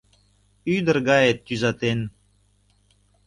Ӱдыр гае тӱзатен.